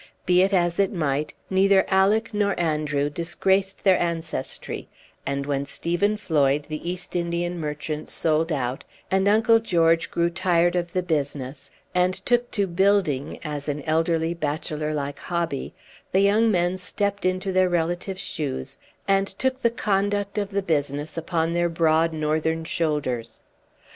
Be it as it might, neither Alick nor Andrew disgraced their ancestry; and when Stephen Floyd, the East Indian merchant, sold out, and Uncle George grew tired of business, and took to building, as an elderly, bachelor like hobby, the young men stepped into their relatives' shoes, and took the conduct of the business upon their broad Northern shoulders.